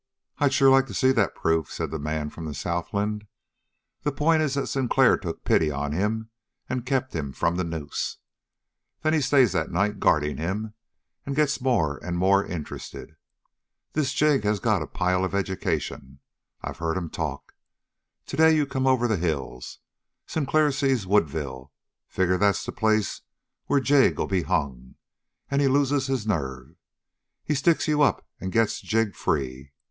"I'd sure like to see that proof," said the man from the southland. "The point is that Sinclair took pity on him and kept him from the noose. Then he stays that night guarding him and gets more and more interested. This Jig has got a pile of education. I've heard him talk. Today you come over the hills. Sinclair sees Woodville, figures that's the place where Jig'll be hung, and he loses his nerve. He sticks you up and gets Jig free.